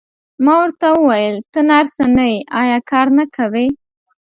ما ورته وویل: ته نرسه نه یې، ایا کار نه کوې؟